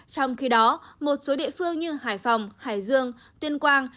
trong khi đó một số địa phương như hải phòng hải dương tuyên quang